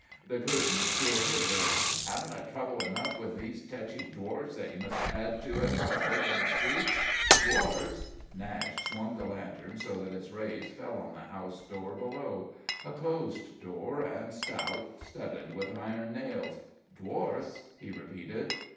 The curtain still hid her. "Haven't I trouble enough with these tetchy dwarfs, but you must add to it by waking the streets?" "Dwarfs?" Nashe swung the lantern so that its rays fell on the house door below: a closed door and stout, studded with iron nails. "Dwarfs?" he repeated.